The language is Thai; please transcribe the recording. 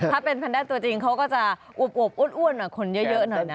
ถ้าเป็นแนนด้าตัวจริงเขาก็จะอวบอ้วนหน่อยคนเยอะหน่อยนะ